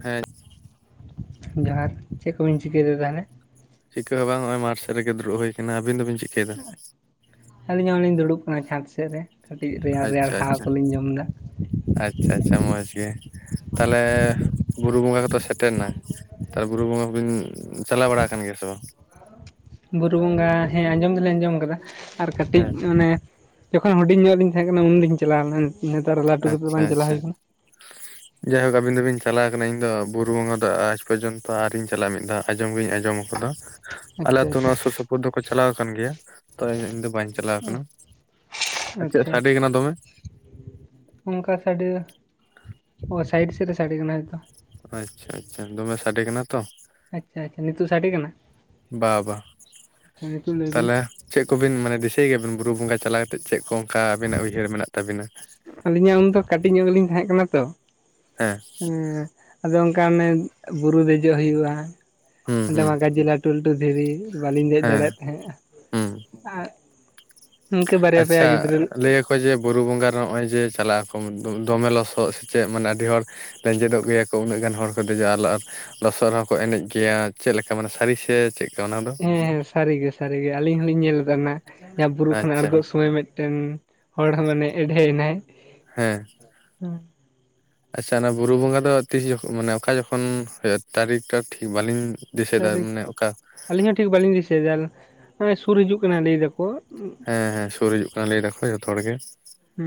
ᱦᱮᱸ ᱡᱚᱦᱟᱨ ᱪᱮᱫ ᱠᱚᱵᱤᱱ ᱪᱤᱠᱟᱹᱭᱮᱫᱟ ᱛᱟᱸᱦᱚᱞᱮ, ᱪᱤᱠᱟᱹ ᱦᱚᱸ ᱵᱟᱝ ᱱᱚᱜ ᱚᱭ ᱢᱟᱴ ᱥᱮᱫ ᱨᱮ ᱜᱮ ᱫᱩᱲᱩᱵ ᱦᱩᱭ ᱟᱠᱟᱱᱟ, ᱟᱹᱵᱤᱱ ᱫᱚᱵᱤᱱ ᱪᱤᱠᱟᱹᱭᱮᱫᱟ, ᱟᱹᱞᱤᱧ ᱦᱚᱸᱞᱤᱧ ᱫᱩᱲᱩᱵ ᱠᱟᱱᱟ ᱪᱷᱟᱫᱽ ᱥᱮᱫ ᱨᱮ ᱠᱟᱹᱴᱤᱡ ᱨᱮᱭᱟᱲ ᱨᱮᱭᱟᱲ ᱟᱪᱪᱷᱟ ᱦᱟᱣᱟ ᱟᱪᱪᱷᱟ ᱠᱚᱞᱤᱧ ᱡᱚᱢ ᱮᱫᱟ᱾ ᱟᱪᱪᱷᱟ ᱟᱪᱪᱷᱟ ᱢᱚᱸᱡ ᱜᱮ ᱛᱟᱸᱦᱚᱞᱮ ᱵᱩᱨᱩ ᱵᱚᱸᱜᱟ ᱠᱚᱛᱚ ᱥᱮᱴᱮᱨ ᱮᱱᱟ᱾ ᱛᱟᱨᱮ ᱵᱩᱨᱩ ᱵᱚᱸᱜᱟ ᱠᱚᱵᱤᱱ ᱪᱟᱞᱟᱣ ᱵᱟᱲᱟ ᱟᱠᱟᱱ ᱜᱮᱭᱟ ᱥᱮ ᱵᱟᱝ, ᱵᱩᱨᱩ ᱵᱚᱸᱜᱟ ᱦᱮᱸ ᱟᱸᱡᱚᱢ ᱫᱚᱞᱤᱧ ᱟᱸᱡᱚᱢ ᱟᱠᱟᱫᱟ ᱟᱨ ᱠᱟᱹᱴᱤᱡ ᱦᱮᱸ ᱚᱱᱮ᱾ ᱡᱚᱠᱷᱚᱱ ᱦᱩᱰᱤᱧ ᱧᱚᱜ ᱞᱤᱧ ᱛᱟᱸᱦᱮ ᱠᱟᱱᱟ ᱩᱱᱞᱤᱧ ᱪᱟᱞᱟᱣ ᱞᱮᱱᱟ ᱱᱮᱛᱟᱨ ᱞᱟᱹᱴᱩ ᱠᱟᱛᱮᱫ ᱟᱪᱪᱷᱟ ᱵᱟᱝ ᱪᱟᱞᱟᱣ ᱟᱪᱪᱷᱟ ᱦᱩᱭ ᱠᱟᱱᱟ᱾ ᱡᱟᱭᱦᱳᱠ ᱟᱵᱤᱱ ᱫᱚᱵᱤᱱ ᱪᱟᱞᱟᱣ ᱟᱠᱟᱱᱟ ᱤᱧ ᱫᱚ ᱵᱩᱨᱩ ᱵᱚᱝᱜᱟ ᱫᱚ ᱟᱡᱽ ᱯᱚᱨᱡᱚᱱᱛᱚ ᱟᱨᱤᱧ ᱪᱟᱞᱟᱜ-ᱟ, ᱢᱤᱫ ᱫᱷᱟᱣ, ᱟᱸᱡᱚᱢ ᱜᱤᱧ ᱟᱸᱡᱚᱢ ᱟᱠᱟᱫᱟ᱾ ᱟᱞᱮ ᱟᱪᱪᱷᱟ ᱟᱹᱛᱩ ᱱᱚᱣᱟ ᱥᱩᱨ ᱥᱩᱯᱩᱨ ᱫᱚᱠᱚ ᱪᱟᱞᱟᱣ ᱟᱠᱟᱱ ᱜᱮᱭᱟ ᱛᱚ ᱤᱧ ᱫᱚ ᱵᱟᱹᱧ ᱪᱟᱞᱟᱣ ᱟᱠᱟᱱᱟ᱾ ᱟᱨ ᱟᱪᱪᱷᱟ ᱪᱮᱫ ᱟᱪᱪᱷᱟ ᱥᱟᱰᱮ ᱠᱟᱱᱟ ᱫᱚᱢᱮ, ᱚᱱᱠᱟ ᱥᱟᱰᱮ ᱚ ᱥᱟᱭᱤᱰ ᱥᱮᱫ ᱨᱮ ᱥᱟᱰᱮ ᱠᱟᱱᱟ ᱦᱚᱭᱛᱳ, ᱟᱪᱪᱷᱟ ᱟᱪᱪᱷᱟ, ᱫᱚᱢᱮ ᱥᱟᱰᱮ ᱠᱟᱱᱟ ᱛᱚ, ᱟᱪᱪᱷᱟ ᱟᱪᱪᱷᱟ, ᱱᱤᱛᱚᱜ ᱥᱟᱰᱮ ᱠᱟᱱᱟ᱾ ᱵᱟ ᱵᱟ ᱟᱪᱪᱷᱟ ᱱᱤᱛᱚᱜ ᱞᱟᱹᱭ ᱵᱤᱱ ᱛᱟᱸᱦᱚᱞᱮ, ᱪᱮᱫ ᱠᱚᱵᱤᱱ ᱢᱟᱱᱮ ᱫᱤᱥᱟᱹᱭ ᱜᱮᱭᱟᱵᱤᱱ ᱵᱩᱨᱩ ᱵᱚᱸᱜᱟ ᱪᱟᱞᱟᱣ ᱠᱟᱛᱮᱫ ᱪᱮᱫ ᱠᱚ ᱚᱱᱠᱟ ᱟᱵᱤᱱᱟᱜ ᱩᱭᱦᱟᱹᱨ ᱢᱮᱱᱟᱜ ᱛᱟᱹᱵᱤᱱᱟ᱾ ᱟᱹᱞᱤᱧᱟᱜ ᱩᱱᱫᱚ ᱠᱟᱹᱴᱤᱡ ᱧᱚᱜ ᱜᱮ ᱞᱤᱧ ᱛᱟᱸᱦᱮ ᱠᱟᱱᱟ ᱛᱚ᱾ ᱦᱮᱸ ᱦᱮᱸ ᱟᱫᱚ ᱚᱱᱠᱟᱱᱮ ᱵᱩᱨᱩ ᱫᱮᱡᱚᱜ ᱦᱩᱭᱩᱜᱼᱟ᱾ ᱦᱩᱸ ᱚᱸᱰᱮ ᱦᱩᱸ ᱢᱟ ᱜᱟᱡᱤᱞ ᱞᱟᱹᱴᱩ ᱞᱟᱹᱴᱩ ᱫᱷᱤᱨᱤ ᱵᱟᱞᱤᱧ ᱫᱮᱡ ᱦᱮᱸ ᱫᱟᱲᱮᱭᱟᱜ ᱛᱟᱸᱦᱮᱜ-ᱟ᱾ ᱦᱩᱸ ᱟᱨ ᱤᱱᱠᱟᱹ ᱵᱟᱨᱭᱟ ᱯᱮᱭᱟ ᱜᱤᱫᱽᱨᱟᱹ, ᱚᱠᱚᱭ ᱡᱮ ᱵᱩᱨᱩ ᱵᱚᱸᱜᱟ ᱨᱮ ᱱᱚᱜᱼᱚᱭ ᱡᱮ ᱪᱟᱞᱟᱜ ᱟᱠᱚ ᱫᱚᱢᱮ ᱞᱚᱥᱚᱜ ᱥᱮᱪᱮᱫ ᱢᱟᱱᱮ ᱟᱹᱰᱤ ᱦᱚᱲ, ᱞᱮᱸᱡᱮᱫᱚᱜ ᱜᱮᱭᱟᱠᱚ ᱩᱱᱟᱹᱜ ᱜᱟᱱ ᱦᱚᱲ ᱠᱚ ᱫᱮᱡᱚᱜ-ᱟ ᱟᱨ ᱞᱚᱥᱚᱫ ᱨᱮᱸᱦᱚ ᱠᱚ ᱮᱱᱮᱡ ᱜᱮᱭᱟ ᱪᱮᱫᱞᱮᱠᱟ ᱢᱟᱱᱮ ᱥᱟᱹᱨᱤ ᱥᱮ ᱪᱮᱫᱞᱮᱠᱟ ᱚᱱᱟ ᱫᱚ, ᱦᱮᱸ ᱦᱮᱸ ᱥᱟᱹᱨᱤᱜᱮ ᱥᱟᱹᱨᱤᱜᱮ ᱟᱹᱞᱤᱧ ᱦᱚᱞᱤᱧ ᱧᱮᱞ ᱞᱮᱜ-ᱟ᱾ ᱵᱩᱨᱩ ᱠᱷᱚᱱ ᱟᱪᱪᱷᱟ ᱟᱬᱜᱚᱜ ᱥᱚᱢᱚᱭ ᱢᱤᱫᱴᱮᱱ, ᱦᱚᱲ ᱦᱚ ᱢᱟᱱᱮ ᱮᱰᱷᱮ ᱮᱱᱟᱭ, ᱦᱮᱸ ᱟᱪᱪᱷᱟ ᱚᱱᱟ ᱵᱩᱨᱩ ᱵᱚᱸᱜᱟ ᱫᱚ ᱛᱤᱥ ᱡᱚᱠᱷᱚᱱ ᱢᱟᱱᱮ ᱚᱠᱟ ᱡᱚᱠᱷᱚᱱ ᱦᱩᱭᱩᱜᱼᱟ ᱛᱟᱨᱤᱠᱴᱟ ᱴᱷᱤᱠ ᱵᱟᱹᱞᱤᱧ ᱫᱤᱥᱟᱹ ᱫᱟᱨ ᱢᱟᱱᱮ ᱚᱠᱟ, ᱟᱞᱤᱧ ᱦᱚᱸ ᱴᱷᱤᱠ ᱵᱟᱞᱤᱧ ᱫᱤᱥᱟᱹᱭᱮᱫᱟ ᱱᱚᱜ-ᱚᱭ ᱥᱩᱨ ᱦᱤᱡᱩᱜ ᱠᱟᱱᱟ ᱞᱟᱹᱭ ᱮᱫᱟ ᱠᱚ, ᱦᱮᱸ ᱦᱮᱸ ᱥᱩᱨ ᱦᱤᱡᱩᱜ ᱠᱟᱱᱟ ᱞᱟᱹᱭ ᱮᱫᱟ ᱠᱚ ᱡᱚᱛᱚ ᱦᱚᱲ ᱜᱮ, ᱦᱩᱻ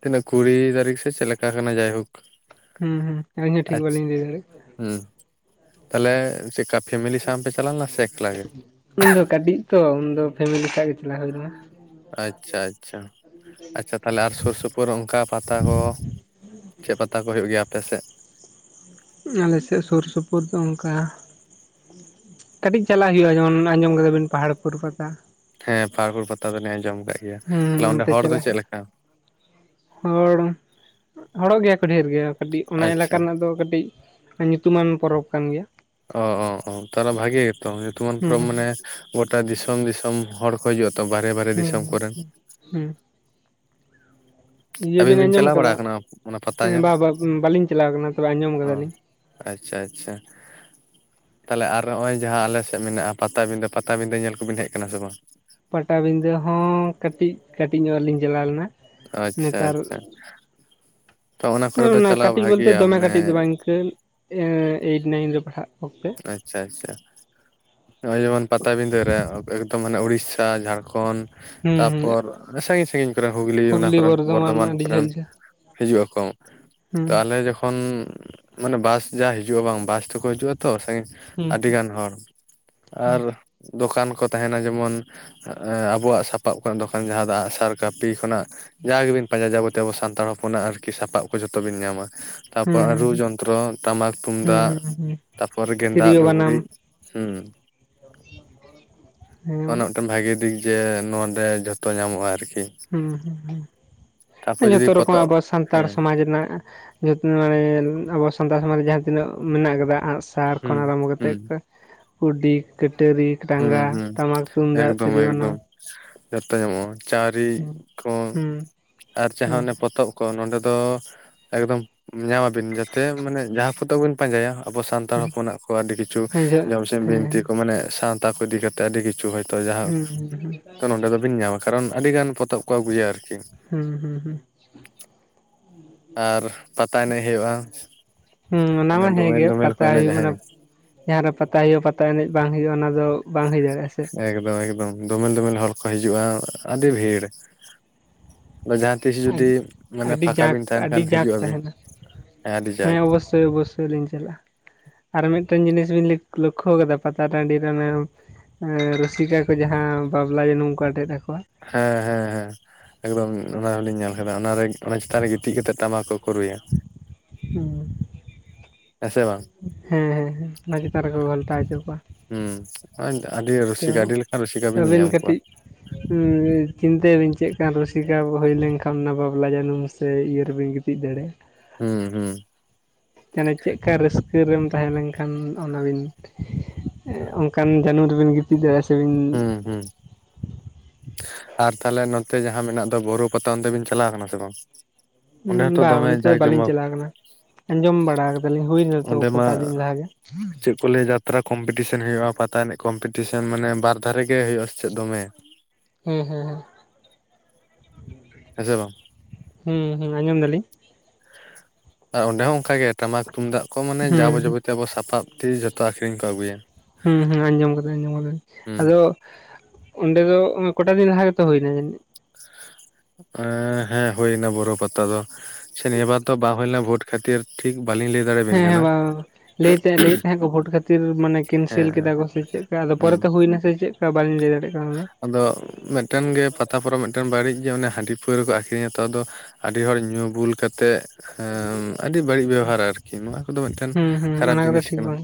ᱛᱤᱱᱟᱹᱜ ᱠᱩᱲᱤ ᱛᱟᱹᱨᱤᱠᱷ ᱥᱮ ᱪᱮᱫ ᱞᱮᱠᱟ ᱠᱟᱱᱟ ᱡᱟᱭᱦᱳᱠ ᱦᱩᱸ ᱦᱩᱸ ᱟᱹᱞᱤᱧ ᱦᱚᱸ ᱴᱷᱤᱠ ᱵᱞᱤᱧ ᱞᱟᱹᱭ ᱫᱟᱲᱮᱜᱼᱟ ᱮᱺᱜ ᱛᱟᱦᱚᱞᱮ ᱪᱮᱫᱠᱟ ᱯᱷᱮᱢᱮᱞᱤ ᱥᱟᱶ ᱯᱮ ᱪᱟᱞᱟᱣ ᱞᱮᱱᱟ ᱥᱮ ᱮᱠᱞᱟ ᱜᱮ ᱩᱱᱫᱚ ᱠᱟᱹᱴᱤᱡ ᱛᱚ ᱩᱱᱫᱚ ᱯᱷᱮᱢᱮᱞᱤ ᱥᱟᱜ ᱜᱮ ᱪᱟᱞᱟᱣ ᱦᱩᱭ ᱞᱮᱱᱟ ᱟᱪᱪᱷᱟ ᱟᱪᱪᱷᱟ ᱟᱪᱪᱷᱟ ᱛᱟᱦᱞᱮ ᱟᱨ ᱥᱩᱨ ᱥᱩᱯᱩᱨ ᱚᱱᱠᱟ ᱯᱟᱛᱟ ᱠᱚ ᱪᱮᱫ ᱯᱟᱛᱟ ᱠᱚ ᱦᱩᱭᱩᱜ ᱜᱮᱭᱟ ᱟᱯᱮ ᱥᱮᱫ ᱟᱞᱮᱥᱮᱫ ᱥᱩᱨ ᱥᱩᱯᱩᱨ ᱫᱚ ᱚᱱᱠᱟ [inaudible] ᱠᱟᱹᱴᱤᱡ ᱪᱟᱞᱟᱜ ᱦᱩᱭᱩᱜᱼᱟ ᱡᱮᱢᱚᱱ ᱚᱱᱟ ᱟᱸᱡᱚᱢ ᱠᱟᱫᱟᱵᱤᱱ ᱯᱟᱦᱟᱲ ᱯᱩᱨ ᱯᱟᱛᱟ ᱦᱮᱸ ᱯᱟᱦᱟᱲ ᱯᱩᱨ ᱯᱟᱛᱟ ᱫᱚᱞᱤᱧ ᱟᱸᱡᱚᱢ ᱟᱠᱟᱫ ᱜᱮᱭᱟ ᱦᱩᱸ ᱛᱟᱦᱞᱮ ᱚᱸᱰᱮ ᱚᱱᱛᱮ ᱦᱚᱲ ᱫᱚ ᱪᱟᱞᱟᱜ ᱪᱮᱫ ᱞᱮᱠᱟ ᱦᱚᱲ ᱦᱚᱲᱚᱜ ᱜᱮᱭᱟ ᱠᱚ ᱰᱷᱮᱨ ᱜᱮ ᱠᱟᱹᱴᱤᱡ ᱚᱱᱟ ᱮᱞᱟᱠᱟ ᱟᱪᱪᱷᱟ ᱨᱮᱱᱟᱜ ᱫᱚ ᱠᱟᱹᱴᱤᱡ ᱧᱩᱛᱩᱢᱟᱱ ᱯᱚᱨᱚᱵᱽ ᱠᱟᱱ ᱜᱮᱭᱟ, ᱚ ᱚ ᱛᱟᱦᱚᱞᱮ ᱵᱷᱟᱜᱮ ᱜᱮᱛᱚ ᱧᱩᱛᱩᱢᱟᱱ ᱦᱩᱸ ᱯᱩᱨᱚᱵ ᱢᱟᱱᱮ ᱜᱚᱴᱟ ᱫᱤᱥᱚᱢ ᱫᱤᱥᱚᱢ ᱦᱚᱲ, ᱠᱷᱚᱡᱩᱜ-ᱟᱛᱚ ᱵᱟᱦᱨᱮ ᱵᱟᱦᱨᱮ ᱦᱩᱸ ᱫᱤᱥᱚᱢ ᱦᱩᱸ ᱠᱚᱨᱮᱱ, ᱦᱩᱸ ᱤᱭᱟᱹ ᱟᱹᱵᱤᱱ ᱵᱤᱱ ᱟᱸᱡᱚᱢ ᱪᱟᱞᱟᱣ ᱵᱟᱲᱟ ᱠᱟᱫᱟ ᱟᱠᱟᱱᱟ ᱚᱱᱟ ᱯᱟᱛᱟ ᱧᱮᱞ ᱵᱟ ᱵᱟ ᱵᱟᱹᱞᱤᱧ ᱪᱟᱞᱟᱣ ᱠᱟᱱᱟ ᱛᱚᱵᱮ ᱟᱸᱡᱚᱢ ᱚ ᱠᱟᱫᱟᱞᱤᱧ ᱟᱪᱪᱷᱟ ᱟᱪᱪᱷᱟ ᱛᱟᱦᱚᱞᱮ ᱟᱨ ᱱᱚᱜᱼᱚᱭ ᱡᱟᱦᱟᱸ ᱟᱞᱮ ᱥᱮᱫ ᱢᱮᱱᱟᱜ-ᱟ ᱯᱟᱵᱤᱸᱫᱟᱹ ᱯᱟᱵᱤᱸᱫᱟᱹ ᱧᱮᱞ ᱠᱚᱵᱤᱱ ᱦᱮᱡ ᱠᱟᱱᱟ ᱥᱮ ᱵᱟᱝ ᱯᱟᱴᱟᱵᱤᱸᱫᱟᱹ ᱦᱚᱸ ᱠᱟᱹᱴᱤᱡ ᱠᱟᱹᱴᱤᱡ ᱧᱚᱜ ᱨᱮᱞᱤᱧ ᱪᱟᱞᱟᱣ ᱞᱮᱱᱟ ᱟᱪᱪᱷᱟ ᱟᱪᱪᱷᱟ ᱛᱚ ᱚᱱᱟ ᱦᱩᱸ ᱠᱚᱨᱮ ᱫᱚ ᱤᱱᱟᱹ ᱪᱟᱞᱟᱣ ᱠᱟᱹᱴᱤᱡ ᱵᱚᱞᱛᱮ ᱵᱷᱟᱜᱮᱭᱟ ᱫᱚᱢᱮ ᱢᱟᱱᱮ ᱠᱟᱹᱴᱤᱡ ᱫᱚ ᱵᱟᱝ ᱤᱱᱠᱟᱹ ᱮᱭᱤᱴ ᱱᱟᱭᱤᱱ ᱨᱮ ᱯᱟᱲᱦᱟᱜ ᱚᱠᱛᱮ ᱟᱪᱪᱷᱟ ᱟᱪᱪᱷᱟ ᱱᱚᱜ-ᱚᱭ ᱡᱮᱢᱚᱱ ᱯᱟᱛᱟᱵᱤᱸᱫᱟᱹ ᱨᱮ ᱮᱠᱫᱚᱢ ᱢᱟᱱᱮ ᱩᱲᱤᱥᱟ ᱡᱷᱟᱲᱠᱷᱚᱸᱰ ᱦᱩᱸ ᱦᱩᱸ ᱛᱟᱨᱯᱚᱨ ᱥᱟᱺᱜᱤᱧ ᱥᱟᱺᱜᱤᱧ ᱠᱚᱨᱮᱱ ᱦᱩᱜᱽᱞᱤ ᱚᱱᱟ ᱠᱚᱨᱮᱱ ᱵᱚᱨᱫᱷᱚᱢᱟᱱ ᱟᱹᱰᱤ ᱡᱷᱟᱹᱞ ᱠᱚᱨᱮᱱ ᱡᱷᱟᱹᱞ ᱦᱤᱡᱩᱜ ᱟᱠᱚ ᱦᱩᱸ ᱛᱟᱦᱚᱞᱮ ᱡᱚᱠᱷᱚᱱ ᱢᱟᱱᱮ ᱵᱟᱥ ᱡᱟ ᱦᱤᱡᱩᱜ-ᱟ ᱵᱟᱝ ᱵᱟᱥ ᱛᱮᱠᱚ ᱦᱤᱡᱩᱜ-ᱟ ᱛᱚ ᱥᱟᱺᱜᱤᱧ ᱦᱩᱸ ᱟᱹᱰᱤᱜᱟᱱ ᱦᱚᱲ ᱦᱩᱸ ᱟᱨ ᱫᱚᱠᱟᱱ ᱠᱚ ᱛᱟᱦᱮᱱᱟ ᱡᱮᱢᱚᱱ ᱟᱸ ᱟᱵᱚᱣᱟᱜ ᱥᱟᱯᱟᱵ ᱠᱷᱚᱱᱟᱜ ᱫᱚᱠᱟᱱ ᱡᱟᱦᱟᱸ ᱫᱚ ᱟᱸᱜᱥᱟᱨ ᱠᱟᱹᱯᱤ ᱠᱷᱚᱱᱟᱜ ᱡᱟ ᱜᱮᱵᱤᱱ ᱯᱟᱸᱡᱟᱭ ᱡᱟᱵᱚᱛᱤᱭ ᱟᱵᱚ ᱥᱟᱱᱛᱟᱲ ᱦᱚᱯᱚᱱᱟᱜ ᱟᱨᱠᱤ ᱥᱟᱯᱟᱵ ᱠᱚ ᱡᱚᱛᱚ ᱵᱤᱱ ᱧᱟᱢᱟ ᱦᱩᱸ ᱛᱟᱯᱚᱨ ᱦᱩᱸ ᱨᱩ ᱡᱚᱱᱛᱨᱚ ᱴᱟᱢᱟᱠ ᱦᱩᱸ ᱛᱩᱢᱫᱟᱜ ᱦᱩᱸ ᱦᱩᱸ ᱛᱟᱨᱯᱚᱨ ᱜᱮᱸᱫᱟᱜ ᱛᱤᱨᱭᱳ ᱵᱟᱱᱟᱢ ᱞᱩᱜᱽᱲᱤᱡ ᱦᱩᱸ ᱦᱮᱸ ᱚᱱᱟ ᱢᱤᱫᱴᱮᱱ ᱵᱷᱟᱜᱤ ᱫᱤᱠ ᱡᱮ ᱱᱚᱰᱮ ᱡᱷᱚᱛᱚ ᱧᱟᱢᱚᱜ-ᱟ ᱟᱨᱠᱤ ᱦᱩᱸ ᱦᱩᱸ ᱛᱟᱯᱚᱨ ᱦᱩᱸ ᱡᱩᱫᱤ ᱡᱷᱚᱛᱚ ᱨᱚᱠᱚᱢᱟᱜ ᱯᱚᱛᱚᱵ ᱟᱵᱚ ᱥᱟᱱᱛᱟᱲ ᱦᱮᱸ ᱥᱚᱢᱟᱡᱽ ᱨᱮᱱᱟᱜ ᱡᱚᱛᱧ ᱵᱟᱲᱟᱭᱟ ᱟᱵᱚ ᱥᱟᱱᱛᱟᱲ ᱥᱚᱢᱟᱡᱽ ᱨᱮ ᱡᱟᱦᱟᱸ ᱛᱤᱱᱟᱹᱜ ᱢᱮᱱᱟᱜ ᱠᱟᱫᱟ ᱟᱸᱜ ᱥᱟᱨ ᱦᱩᱸ ᱠᱷᱚᱱ ᱟᱨᱟᱢᱵᱚ ᱦᱩᱸ ᱠᱟᱛᱮᱫ ᱠᱩᱰᱤ ᱠᱟᱹᱴᱟᱹᱨᱤ ᱦᱩᱸ ᱴᱟᱸᱜᱟ ᱦᱩᱸ ᱴᱟᱢᱟᱠ ᱛᱩᱢᱫᱟᱜ ᱮᱠᱫᱚᱢ ᱛᱤᱨᱣᱟᱹ ᱵᱟᱱᱟᱢ ᱮᱠᱫᱚᱢ ᱡᱚᱛᱚ ᱧᱟᱢᱚᱜ-ᱟ ᱪᱟᱣᱨᱤᱫ ᱠᱚ ᱦᱩᱸ ᱟᱨ ᱡᱟᱦᱟ ᱦᱮᱸ ᱚᱱᱮ ᱯᱚᱛᱚᱵ ᱠᱚ ᱱᱚᱰᱮ ᱫᱚ ᱮᱠᱫᱚᱢ ᱧᱟᱢᱟᱵᱤᱱ ᱡᱟᱛᱮ ᱢᱟᱱᱮ ᱡᱟᱦᱟᱸ ᱠᱚᱫᱚᱵᱤᱱ ᱯᱟᱸᱡᱟᱭᱟ ᱟᱵᱚ ᱥᱟᱱᱛᱟᱲ ᱦᱚᱯᱚᱱᱟᱜ ᱠᱚ ᱟᱹᱰᱤ ᱠᱤᱪᱷᱩ ᱦᱮᱸ ᱡᱚ ᱡᱚᱢᱥᱤᱢ ᱵᱤᱱᱛᱤ ᱦᱮᱸ ᱠᱚ ᱢᱟᱱᱮ ᱥᱟᱶᱛᱟ ᱠᱚ ᱤᱫᱤ ᱠᱟᱛᱮ ᱟᱹᱰᱤ ᱠᱤᱪᱷᱩ ᱠᱤᱪᱷᱩ ᱦᱚᱭᱛᱳ ᱡᱟᱦᱟᱸ ᱦᱩᱸ ᱦᱩᱸ ᱱᱚᱰᱮ ᱫᱚᱵᱤᱱ ᱧᱟᱢᱟ ᱠᱟᱨᱚᱱ ᱟᱹᱰᱤᱜᱟᱱ ᱯᱚᱛᱚᱵ ᱠᱚ ᱟᱹᱜᱩᱭᱟ ᱟᱨᱠᱤ ᱦᱩᱸ ᱦᱩᱸ ᱦᱩᱸ ᱟᱨ ᱯᱟᱛᱟ ᱮᱱᱮᱡ ᱦᱩᱭᱩᱜ-ᱟ ᱦᱩᱸ ᱚᱱᱟ ᱚᱱᱮ ᱢᱟ ᱫᱳᱢᱮᱞ ᱦᱮᱸᱜᱮ ᱫᱳᱢᱮᱞ ᱠᱚ ᱯᱟᱛᱟ ᱮᱱᱮᱡ ᱦᱩᱭᱩᱜ ᱚᱱᱟ ᱦᱚᱸ ᱡᱟᱦᱟᱸᱨᱮ ᱯᱟᱛᱟ ᱦᱩᱭᱩᱜ-ᱟ ᱯᱟᱛᱟ ᱮᱱᱮᱡ ᱵᱟᱝ ᱦᱩᱭᱩᱜ ᱚᱱᱟ ᱫᱚ ᱵᱟᱝ ᱦᱩᱭ ᱫᱟᱲᱮᱭᱟᱜᱼᱟ ᱥᱮ ᱮᱠᱫᱚᱢ ᱮᱠᱫᱚᱢ ᱫᱚᱢᱮᱞ ᱫᱚᱢᱮᱞ ᱦᱚᱲ ᱠᱚ ᱦᱤᱡᱩᱜ-ᱟ ᱟᱹᱰᱤ ᱵᱷᱤᱲ ᱟᱫᱚ ᱡᱟᱦᱟᱸᱛᱤᱥ ᱡᱩᱫᱤ ᱢᱟᱱᱮ ᱟᱹᱰᱤ ᱯᱷᱟᱠᱟ ᱡᱟᱸᱠ ᱵᱤᱱ ᱛᱟᱦᱮᱱ ᱠᱷᱟᱱ ᱦᱤᱡᱩᱜ ᱟᱵᱤᱱ ᱦᱮᱸ ᱟᱹᱰᱤ ᱡᱟᱸᱠ ᱦᱮᱸᱵᱚᱥᱥᱳᱭ ᱚᱵᱥᱥᱳᱭᱞᱤᱧ ᱪᱟᱞᱟᱜ-ᱟ ᱟᱨ ᱢᱤᱫᱴᱮᱱ ᱡᱤᱱᱤᱥ ᱵᱤᱱ ᱞᱚᱜ ᱞᱚᱠᱷᱳ ᱠᱟᱫᱟ ᱯᱟᱛᱟ ᱴᱟᱺᱰᱤ ᱨᱮ ᱚᱱᱮ ᱮᱸ ᱨᱩᱥᱤᱠᱟ ᱠᱚ ᱡᱟᱦᱟᱸ ᱵᱟᱵᱞᱟ ᱡᱟᱹᱱᱩᱢ ᱠᱚ ᱟᱴᱮᱫ ᱟᱠᱚᱣᱟ ᱦᱮᱸ ᱦᱮᱸ ᱦᱮᱸ ᱮᱠᱫᱚᱢ ᱚᱱᱟ ᱦᱚᱸᱞᱤᱧ ᱧᱮᱞᱠᱟᱫᱟ ᱚᱱᱟᱨᱮ ᱚᱱᱟ ᱪᱮᱛᱟᱱ ᱨᱮ ᱜᱤᱛᱤᱡ ᱠᱟᱛᱮᱫ ᱴᱟᱢᱟᱠ ᱠᱚ ᱠᱚ ᱨᱩᱭᱟ ᱦᱩᱸ ᱦᱮᱸ ᱥᱮ ᱵᱟᱝ ᱦᱮᱸ ᱦᱮᱸᱸ ᱚᱱᱟ ᱪᱮᱛᱟᱱ ᱨᱮᱠᱚ ᱜᱷᱚᱞᱴᱟᱣ ᱦᱚᱪᱚ ᱠᱚᱣᱟ ᱦᱮᱸ ᱟᱹᱰᱤ ᱨᱩᱥᱤᱠᱟ ᱟᱹᱰᱤ ᱞᱮᱠᱟᱱ ᱨᱩᱥᱤᱠᱟ ᱵᱤᱱ ᱧᱮᱞᱧᱟᱢ ᱠᱚᱣᱟ᱾ ᱪᱤᱱᱛᱟᱹ ᱵᱤᱱ ᱪᱮᱫᱠᱟᱱ ᱨᱩᱥᱤᱠᱟ ᱦᱩᱭ ᱞᱮᱱᱠᱷᱟᱱ ᱚᱱᱟ ᱵᱟᱯᱞᱟ ᱡᱟᱹᱱᱩᱢ ᱥᱮ ᱤᱭᱟᱹᱟᱹᱨ ᱨᱮᱵᱮᱱ ᱜᱤᱛᱤᱡ᱾ ᱪᱮᱫ ᱫᱟᱲᱮ ᱦᱩᱸ ᱦᱩᱸ᱾ ᱡᱮᱱᱮ ᱪᱮᱫ ᱞᱮᱠᱟ ᱨᱟᱹᱥᱠᱟᱹ ᱨᱮᱢ ᱛᱟᱦᱮᱸ ᱞᱮᱱᱠᱷᱟᱱ ᱚᱱᱟ ᱚᱱᱠᱟᱱ ᱡᱟᱹᱱᱩᱢ ᱨᱮᱵᱤᱱ ᱜᱤᱛᱤᱡ ᱫᱟᱲᱮᱭᱟᱜ-ᱟ ᱥᱮᱵᱤᱱ ᱦᱩᱸ ᱦᱩᱸ ᱟᱨ ᱛᱟᱦᱞᱮ ᱱᱚᱛᱮ ᱡᱟᱦᱟᱸ ᱢᱮᱱᱟᱜ ᱫᱚ ᱵᱩᱨᱩ ᱯᱟᱚᱛᱟᱢ ᱛᱮᱵᱤᱱ ᱪᱟᱞᱟᱣ ᱠᱟᱱᱟ ᱥᱮ ᱵᱟᱝ? ᱩᱸ ᱚᱸᱰᱮ ᱦᱚᱸᱛᱚ ᱵᱟᱝ ᱫᱚᱢᱮ ᱮᱱᱛᱮ ᱡᱟᱠ ᱵᱟᱹᱞᱤᱧ ᱡᱚᱢᱚᱠ ᱪᱟᱞᱟᱣ ᱟᱠᱟᱱᱟ᱾ ᱟᱸᱡᱚᱢ ᱵᱟᱲᱟ ᱠᱮᱫᱫᱟᱞᱤᱧ ᱦᱩᱭᱱᱟᱛᱚ ᱠᱚᱴᱟ ᱫᱤᱱ ᱞᱟᱦᱟ ᱜᱮ᱾ ᱠᱩᱞᱮ ᱡᱟᱛᱨᱟ ᱠᱚᱢᱯᱤᱴᱤᱥᱮᱱ ᱦᱩᱭᱩᱜᱼᱟ ᱯᱟᱛᱟ ᱮᱱᱮᱡ ᱠᱚᱢᱯᱤᱴᱤᱥᱮᱱ ᱢᱟᱱᱮ ᱵᱟᱨ ᱫᱷᱟᱨᱮ ᱜᱮ ᱦᱩᱭᱩᱜᱼᱟ ᱥᱮ ᱪᱮᱫ ᱫᱚᱢᱮ᱾ ᱦᱮᱸ ᱦᱮᱸ ᱦᱮᱸ᱾ ᱦᱮᱸᱥᱮ ᱵᱟᱝ ᱦᱩᱸ ᱦᱩᱸ ᱟᱸᱡᱚᱢ ᱫᱟᱞᱤᱧ ᱟᱸ ᱚᱸᱰᱮ ᱦᱚᱸ ᱚᱱᱠᱟ ᱜᱮ ᱴᱟᱢᱟᱠ ᱛᱩᱢᱫᱟᱜ ᱠᱚ ᱢᱟᱱᱮ ᱡᱟᱵᱚ ᱦᱩᱸ ᱡᱟᱵᱚᱛᱤᱭ ᱟᱵᱚ ᱥᱟᱯᱟᱵ ᱛᱤᱥ ᱡᱷᱚᱛᱚ ᱟᱠᱷᱨᱤᱧ ᱠᱚ ᱟᱹᱜᱩᱭᱟ? ᱦᱩᱸ ᱦᱩᱸ ᱟᱸᱡᱚᱢ ᱟᱠᱟᱫᱟᱟᱹᱧ ᱟᱸᱡᱚᱢ ᱟᱠᱟᱫᱟᱹᱧ, ᱦᱩᱸ ᱟᱫᱚ ᱚᱸᱰᱮ ᱫᱚ ᱠᱚᱳᱟ ᱫᱤᱱ ᱞᱟᱦᱟ ᱜᱮᱛᱚ ᱦᱩᱭᱱᱟ ᱡᱟᱹᱱᱤᱡ᱾ ᱮ ᱦᱮᱸ ᱦᱩᱭᱱᱟ ᱵᱚᱨᱚ ᱯᱟᱛᱟ ᱫᱚ᱾ ᱥᱮ ᱱᱤᱭᱮ ᱵᱟᱨ ᱛᱚ ᱵᱟᱝ ᱦᱩᱭᱞᱮᱱᱟ ᱵᱷᱳᱴ ᱠᱷᱟᱹᱛᱤᱨ ᱴᱷᱤᱠ ᱵᱞᱝ ᱞᱤᱧ ᱞᱟᱹᱭ ᱫᱟᱲᱮᱭᱟᱵᱤᱱ ᱦᱮᱸ ᱦᱮᱸ ᱠᱟᱱᱟ ᱵᱟᱝ ᱞᱟᱹᱭ ᱞᱟᱹᱭᱮᱫ ᱛᱟᱦᱮᱸᱫ ᱠᱚ ᱵᱷᱳᱴ ᱠᱷᱟᱹᱛᱤᱨ ᱢᱟᱱᱮ ᱦᱮᱸ ᱠᱮᱱᱥᱮᱞ ᱦᱮᱸ ᱠᱮᱫᱟ ᱠᱚ ᱥᱮ ᱪᱮᱫ ᱞᱮᱠᱟ ᱟᱫᱚ ᱦᱩᱸ ᱯᱚᱨᱮᱛᱮ ᱦᱩᱭᱱᱟ ᱥᱮ ᱪᱮᱫ᱾ ᱵᱟᱹᱞᱤᱧ ᱞᱟᱹᱭ ᱫᱟᱲᱮᱭᱟᱜ ᱠᱟᱱᱟ ᱚᱱᱟ ᱫᱚ᱾ ᱟᱫᱚ ᱢᱤᱫᱴᱮᱱ ᱜᱮ ᱯᱟᱛᱟ ᱯᱚᱨᱚᱵ ᱴᱮᱱ ᱵᱟᱹᱲᱤᱡ ᱜᱮ ᱦᱟᱺᱰᱤ ᱯᱟᱹᱣᱨᱟᱹᱠᱚ ᱟᱠᱷᱨᱤᱧᱟ ᱛᱚ᱾ ᱟᱹᱰᱤ ᱦᱚᱲ ᱧᱩ ᱵᱩᱞ ᱠᱟᱛᱮᱜ, ᱦᱮᱸ ᱟᱹᱰᱤ ᱵᱟᱹᱲᱤᱡ ᱵᱮᱵᱚᱦᱟᱨᱟ ᱟᱨᱠᱤ ᱱᱚᱣᱟ ᱠᱚᱫᱚ ᱢᱤᱫᱴᱮᱱ ᱦᱩᱸ ᱦᱩᱸ ᱠᱷᱟᱨᱟᱯ ᱚᱱᱟ ᱠᱚᱫᱚ ᱡᱤᱱᱤᱥ ᱴᱷᱤᱠ ᱠᱟᱱᱟ ᱵᱟᱝ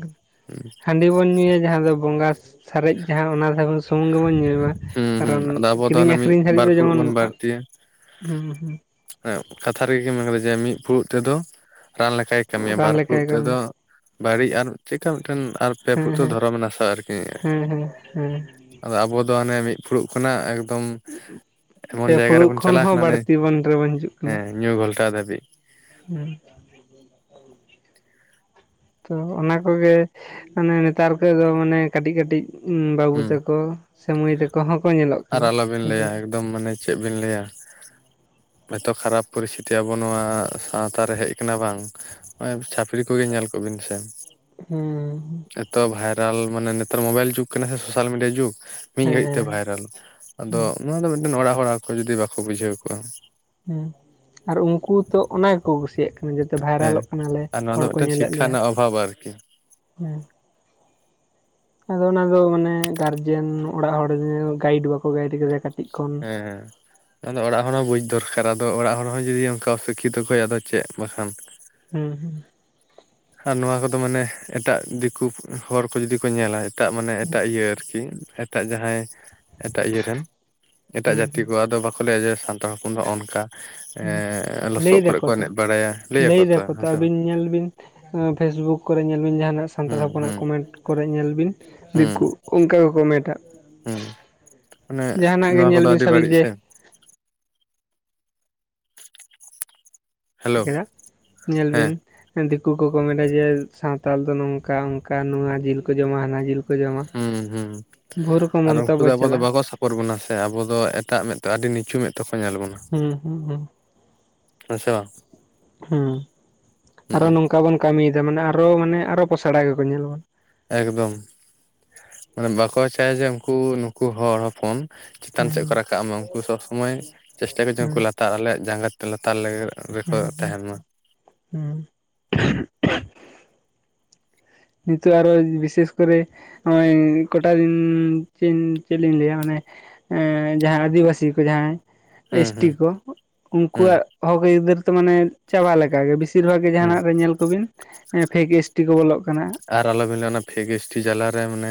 ᱦᱚᱸ᱾ ᱦᱟᱺᱰᱤ ᱵᱚᱱ ᱧᱩᱭᱟ ᱡᱟᱦᱟᱸ ᱫᱚ ᱵᱚᱸᱜᱟ ᱥᱟᱨᱮᱡ ᱡᱟᱦᱟᱸ ᱚᱱᱟᱵ ᱥᱩᱢᱩᱝ ᱜᱮᱵᱚᱱ ᱧᱩᱭᱢᱟ ᱦᱩᱸ ᱦᱩᱸ ᱠᱟᱨᱚᱱ ᱟᱫᱚ ᱟᱵᱚ ᱫᱚ ᱠᱤᱨᱤᱧ ᱦᱟᱱᱮ ᱢᱤᱫ ᱟᱠᱷᱨᱤᱧ ᱫᱷᱟᱹᱨᱤᱡ ᱵᱟᱨ ᱫᱚ ᱯᱷᱩᱲᱩᱜ ᱡᱮᱢᱚᱱ ᱵᱚᱱ ᱵᱟᱹᱲᱛᱤᱭᱟ ᱦᱩᱸ ᱦᱩᱸ᱾ ᱠᱟᱛᱷᱟ ᱨᱮᱜᱮ ᱢᱮᱱ ᱠᱟᱫᱟ ᱡᱮ ᱢᱤᱫ ᱯᱷᱩᱲᱩᱜ ᱛᱮᱫᱚ ᱨᱟᱱ ᱞᱮᱠᱟᱭ ᱦᱩᱸ ᱠᱟᱹᱢᱤᱭᱟ ᱨᱟᱱ ᱵᱟᱨ ᱯᱷᱩᱲᱩᱜ ᱞᱮᱠᱟᱭ ᱛᱮᱫᱚ ᱠᱟᱹᱢᱤᱭᱟ ᱵᱟᱹᱲᱤᱡ ᱟᱨ ᱪᱮᱫᱠᱟ ᱢᱤᱫᱴᱮᱱ ᱟᱨ ᱯᱮ ᱦᱮᱸ ᱯᱷᱩᱫ ᱛᱮ ᱫᱷᱚᱨᱚᱢ ᱱᱟᱥᱟᱜᱼᱟ ᱟᱨᱠᱤ᱾ ᱦᱮᱸ ᱦᱮᱸ ᱦᱮᱸ ᱦᱮᱸ᱾ ᱟᱫᱚ ᱟᱵᱚ ᱫᱚ ᱦᱟᱱᱮ ᱢᱤᱫ ᱯᱷᱩᱲᱩᱜ ᱠᱷᱚᱱᱟᱜ ᱮᱠᱫᱚᱢ ᱮᱢᱚᱱ ᱡᱟᱭᱜᱟ ᱨᱮᱵᱚᱱ ᱪᱟᱞᱟ ᱠᱟᱱᱟ ᱚᱱᱮ ᱡᱤᱵᱚᱱ ᱨᱮ ᱵᱟᱹ ᱦᱤᱡᱩᱜ ᱦᱮᱸ ᱧᱩ ᱜᱷᱚᱞᱴᱟ ᱫᱷᱟᱹᱵᱤᱡ ᱦᱮᱸ᱾ ᱛᱚ ᱚᱱᱟ ᱠᱚᱜᱮ ᱢᱟᱱᱮ ᱱᱮᱛᱟᱨ ᱠᱚ ᱫᱚ ᱢᱟᱱᱮ ᱠᱟᱹᱴᱤᱡ ᱠᱟᱹᱴᱤᱡ ᱵᱟᱹᱵᱩ ᱦᱩᱸ ᱛᱟᱠᱚ ᱥᱮ ᱢᱟᱹᱭ ᱛᱟᱠᱚ ᱦᱚᱸᱠᱚ ᱧᱮᱞᱚᱜ ᱟᱨ ᱠᱟᱱᱟ ᱟᱞᱚᱵᱤᱱ ᱞᱟᱹᱭᱟ ᱱᱮᱛᱟᱨ ᱮᱠᱫᱚᱢ ᱢᱟᱱᱮ ᱪᱮᱫ ᱵᱤᱱ ᱞᱟᱹᱭᱟ, ᱮᱛᱚ ᱠᱷᱟᱨᱟᱯ ᱯᱚᱨᱤᱥᱛᱷᱤᱛᱤ ᱟᱵᱚ ᱱᱚᱣᱟ ᱥᱟᱶᱛᱟᱟᱨ ᱨᱮ ᱦᱮᱡ ᱠᱟᱱᱟ ᱵᱟᱝ ᱱᱚᱜᱚᱭᱼ ᱪᱟᱹᱯᱨᱤ ᱠᱚᱜᱮ ᱧᱮᱞ ᱠᱚ ᱵᱤᱱ ᱥᱮ, ᱦᱩᱸ᱾ ᱮᱛᱚ ᱵᱷᱟᱭᱨᱟᱞ ᱢᱟᱱᱮ ᱱᱮᱛᱟᱨ ᱢᱳᱵᱟᱭᱤᱞ ᱡᱩᱜᱽ ᱠᱟᱱᱟ ᱥᱮ ᱥᱳᱥᱟᱞ ᱢᱤᱰᱤᱭᱟ ᱡᱩᱜᱽ, ᱢᱤᱫ ᱜᱷᱟᱹᱲᱤᱡ ᱛᱮ ᱦᱮᱸ ᱵᱷᱟᱭᱨᱟᱞ, ᱟᱫᱚ ᱦᱩᱸ ᱱᱚᱣᱟ ᱫᱚ ᱢᱤᱫᱴᱮᱱ ᱚᱲᱟᱜ ᱦᱚᱲᱟᱜ ᱠᱚ ᱡᱩᱫᱤ ᱵᱟᱠᱚ ᱵᱩᱡᱷᱟᱹᱣ ᱠᱚᱜᱣᱟ, ᱦᱩᱸ ᱟᱨ ᱩᱱᱠᱩ ᱛᱚ ᱚᱱᱟ ᱠᱚ ᱠᱩᱥᱤᱭᱟᱜ ᱠᱟᱱᱟ, ᱡᱟᱛᱮ ᱦᱮᱸ ᱵᱷᱟᱭᱨᱟᱞᱚᱜ ᱠᱟᱱᱟᱞᱮ ᱟᱨ ᱱᱚᱣᱟ ᱫᱚ ᱦᱚᱲ ᱠᱚ ᱢᱤᱫᱴᱮᱱ ᱧᱮᱞᱮᱫ ᱥᱤᱠᱠᱷᱟ ᱞᱮᱭᱟ᱾ ᱨᱮᱱᱟᱜ ᱚᱵᱷᱟᱵᱽ ᱟᱨᱠᱤ ᱦᱩᱸ᱾ ᱟᱫᱚ ᱚᱱᱟ ᱫᱚ ᱢᱟᱱᱮ ᱜᱟᱨᱡᱮᱱ ᱚᱲᱟᱜ ᱦᱚᱲ ᱜᱟᱭᱤᱰ ᱵᱟᱠᱚ ᱜᱟᱭᱤᱰ ᱠᱮᱫᱮᱭᱟ ᱠᱟᱹᱴᱤᱡ᱾ ᱠᱷᱚᱱ ᱦᱮᱸ ᱦᱮᱸ᱾ ᱟᱫᱚ ᱚᱲᱟᱜ ᱦᱚᱲ ᱦᱚᱸ ᱵᱩᱡᱽ ᱫᱚᱨᱠᱟᱨ ᱟᱫᱚ ᱚᱲᱟᱜ ᱦᱚᱲ ᱦᱚᱸ ᱡᱩᱫᱤ ᱚᱱᱠᱟ ᱚ ᱥᱤᱠᱠᱷᱤᱛᱚ ᱠᱷ ᱟᱫᱚ ᱪᱮᱫ ᱵᱟᱠᱷᱟᱱ, ᱦᱩᱸ ᱦᱩᱸ᱾ ᱟᱨ ᱱᱚᱣᱟ ᱠᱚᱫᱚ ᱢᱟᱱᱮ ᱮᱴᱟᱜ ᱫᱤᱠᱩ ᱦᱚᱲ ᱠᱚ ᱡᱩᱫᱤ ᱠᱚ ᱧᱮᱞᱟ ᱮᱴᱟᱜ ᱢᱟᱱᱮ ᱮᱴᱟᱜ ᱤᱭᱟᱹ ᱟᱨᱠᱤ ᱮᱴᱟᱜ ᱡᱟᱦᱟᱸᱭ ᱮᱴᱟᱜ ᱤᱭᱟᱹ ᱨᱮᱱ ᱮᱴᱟᱜ ᱦᱩᱸ ᱡᱟᱹᱛᱤ ᱦᱩᱸ ᱠᱚ ᱟᱫᱚ ᱵᱟᱠᱚ ᱞᱟᱹᱭᱟ ᱡᱮ ᱥᱟᱱᱛᱟᱲ ᱦᱚᱯᱚᱱ ᱫᱚ ᱱᱚᱜ-ᱱᱚᱝᱠᱟ, ᱦᱩᱸ ᱞᱟᱹᱭ ᱞᱚᱥᱚᱫ ᱠᱚᱨᱮ ᱫᱟᱠᱚ ᱠᱚ ᱛᱚ ᱮᱱᱮᱡ ᱵᱟᱲᱟᱭᱟ ᱞᱟᱹᱭᱟᱠᱚ ᱞᱟᱹᱭ ᱛᱚ ᱫᱟᱠᱚ ᱦᱮᱸᱥᱮ ᱵᱟᱝ ᱟᱹᱵᱤᱱ ᱧᱮᱞ ᱵᱤᱱ ᱯᱷᱮᱥᱵᱩᱠ ᱠᱚᱨᱮ ᱧᱮᱞ ᱵᱤᱱ ᱡᱟᱦᱟᱱᱟᱜ ᱥᱟᱱᱛᱟᱲ ᱦᱩᱸ ᱦᱚᱯᱚᱱᱟᱜ ᱦᱩᱸ ᱠᱚᱢᱮᱱᱴ ᱠᱚᱨᱮ ᱧᱮᱞ ᱵᱤᱱ ᱫᱤᱠᱩ ᱚᱱᱠᱟ ᱠᱚ ᱠᱚᱢᱮᱴᱟ ᱦᱮᱸ ᱢᱟᱱᱮ ᱜᱮ ᱱᱚᱣᱟ ᱧᱮᱞ ᱠᱚᱫᱚ ᱵᱤᱱ ᱟᱹᱰᱤ ᱥᱟᱵᱤᱱ ᱵᱟᱹᱲᱤᱡ ᱡᱮ ᱥᱮ ᱦᱮᱞᱳ [unintelligible] ᱧᱮᱞ ᱦᱮᱸ ᱵᱤᱱ ᱫᱤᱠᱩ ᱠᱚᱠᱚ ᱢᱮᱱᱟ ᱡᱮ ᱥᱟᱶᱛᱟᱞ ᱫᱚ ᱱᱚᱝᱠᱟ ᱝᱠᱟ ᱱᱚᱣᱟ ᱡᱤᱞ ᱠᱚ ᱡᱚᱢᱟ, ᱦᱟᱱᱟ ᱡᱤᱞ ᱠᱚ ᱠᱚ ᱦᱩᱸ ᱦᱩᱸ ᱡᱚᱢᱟ᱾ᱵᱚᱦᱩ ᱨᱚᱠᱚᱢ ᱢᱚᱱᱛᱚᱵᱵᱚ ᱪᱟᱞᱟ ᱯᱚᱨ ᱵᱚᱱᱟ᱾ ᱥᱮ ᱟᱵᱚᱫᱚ ᱮᱴᱟᱜ ᱢᱮᱫᱛᱮ ᱟᱹᱰᱤ ᱱᱤᱪᱩ ᱢᱮᱫ ᱛᱮᱠᱚ ᱧᱮᱞ ᱵᱚᱱᱟ᱾ ᱦᱩᱸᱻ ᱦᱩᱸᱻ ᱦᱩᱸᱻ᱾ ᱦᱮᱸᱥᱮ ᱵᱟᱝ? ᱦᱩᱸ ᱟᱨᱚ ᱦᱩᱸ ᱱᱚᱝᱠᱟ ᱵᱚᱱ ᱠᱟᱹᱢᱤᱭᱫᱟ ᱢᱟᱱᱮ ᱟᱨᱚ ᱢᱟᱱᱮ ᱟᱨᱚ ᱯᱚᱥᱲᱟ ᱜᱮᱠᱚ ᱧᱮᱞᱵᱚᱱ ᱮᱠᱫᱚᱢ, ᱢᱟᱱᱮ ᱵᱟᱠᱚ ᱪᱟᱭᱟ ᱡᱮ ᱩᱱᱠᱩ ᱱᱩᱠᱩ ᱦᱚᱲ ᱦᱚᱯᱚᱱ ᱪᱮᱛᱟᱱ ᱥᱮᱜ ᱠᱚ ᱦᱩᱸ ᱨᱟᱠᱟᱵ ᱢᱟ, ᱩᱱᱠᱩ ᱥᱚᱵ ᱥᱚᱢᱚᱭ ᱪᱮᱥᱴᱟᱭᱟ ᱠᱚ, ᱡᱮ ᱩᱱᱠᱩ ᱞᱟᱛᱟᱨ ᱟᱞᱮᱭᱟᱜ ᱡᱟᱸᱜᱟ ᱛᱮ ᱞᱟᱛᱟᱨ ᱞᱮᱜᱮ ᱦᱩᱸᱻ ᱦᱩᱸᱻ ᱦᱩᱸᱻ ᱦᱩᱸᱻ᱾ ᱠᱤᱱᱛᱩᱜ ᱟᱨᱚ ᱵᱤᱥᱮᱥ ᱠᱚᱨᱮ ᱦᱚᱭᱸ ᱠᱚᱴᱟ ᱫᱤᱱ ᱪᱮᱫ ᱞᱤᱧ ᱞᱟᱹᱭᱟ ᱢᱟᱱᱮ ᱮᱸ ᱡᱟᱦᱟᱸᱭ ᱟᱹᱫᱤᱵᱟᱥᱤ ᱠᱚ ᱡᱟᱦᱟᱸᱭ ᱦᱩᱸ ᱮᱥᱴᱤ ᱦᱩᱸ ᱠᱚ ᱦᱩᱸ ᱩᱱᱠᱩᱣᱟᱜ ᱦᱚᱠ ᱟᱹᱭᱫᱟᱹᱨ ᱛᱚ ᱢᱟᱱᱮ ᱪᱟᱵᱟ ᱞᱮᱠᱟᱜᱮ, ᱵᱮᱥᱤ ᱵᱮᱥᱤᱨ ᱵᱷᱟᱜᱽ ᱜᱮ ᱦᱩᱸ ᱡᱟᱦᱱᱟᱜ ᱨᱮ ᱧᱮᱞ ᱠᱚᱵᱤᱱ ᱯᱷᱮᱠ ᱮᱥᱴᱤ ᱠᱚ ᱵᱚᱞᱚᱜ ᱠᱟᱱᱟ᱾ ᱟᱨ ᱟᱞᱚ ᱵᱤᱱ ᱞᱟᱹᱭᱟ, ᱚᱱᱟ ᱯᱷᱮᱠ ᱮᱥᱴᱤ ᱡᱟᱞᱟ ᱨᱮ ᱢᱟᱱᱮ